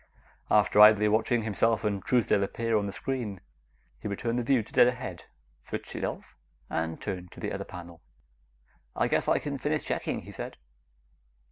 After idly watching himself and Truesdale appear on the screen, he returned the view to dead ahead, switched it off, and turned to the other panel. "I guess I can finish checking," he said.